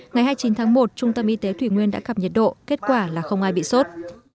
ngày hai mươi chín tháng một trung tâm y tế thủy nguyên đã cặp nhiệt độ kết quả là không ai bị sốt